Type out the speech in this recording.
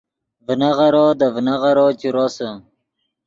ڤینغیرو دے ڤینغیرو چے روسے